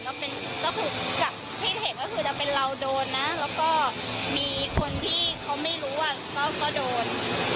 ก็ที่เห็นก็คือเราโดนนะแล้วก็มีคนที่เขาไม่รู้ก็โดน